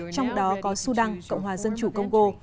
trong đó có sudan cộng hòa dân chủ congo